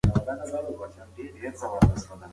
ایا ماشوم په رښتیا هم له انا نه وېرېدلی و؟